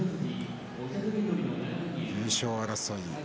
優勝争い